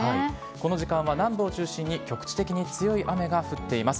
この時間は南部を中心に局地的に強い雨が降っています。